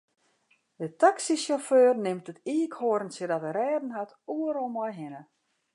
De taksysjauffeur nimt it iikhoarntsje dat er rêden hat oeral mei hinne.